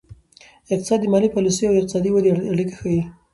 اقتصاد د مالي پالیسیو او اقتصادي ودې اړیکه ښيي.